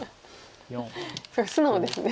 すごい素直ですね。